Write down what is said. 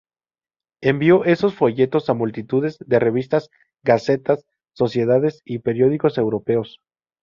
Envió esos folletos a multitud de revistas, gacetas, sociedades y periódicos europeos.